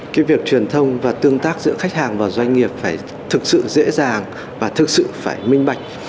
cái việc truyền thông và tương tác giữa khách hàng và doanh nghiệp phải thực sự dễ dàng và thực sự phải minh bạch